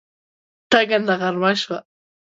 ټکنده غرمه شومه